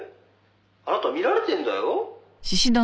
「あなたは見られてるんだよ」